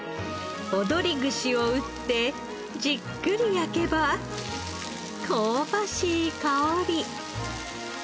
踊り串を打ってじっくり焼けば香ばしい香り。